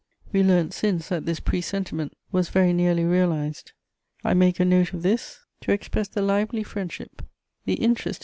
"We learnt since that this presentiment was very nearly realized. I make a note of this to express the lively friendship; the interest in M.